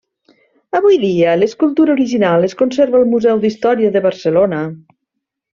Avui dia, l'escultura original es conserva al Museu d'Història de Barcelona.